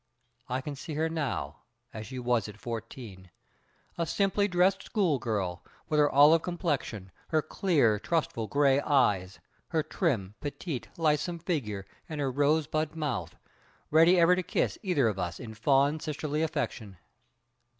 I can see her now, as she was at 14, a simply dressed school girl, with her olive complexion, her clear, trustful gray eyes, her trim, petite, lissom figure and her rosebud mouth, ready ever to kiss either of us in fond sisterly affection.